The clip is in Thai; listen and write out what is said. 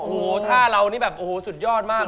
โอ้โหท่าเรานี่แบบโอ้โหสุดยอดมาก